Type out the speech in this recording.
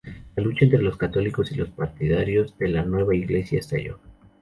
La lucha entre los católicos y los partidarios de la nueva iglesia estalló.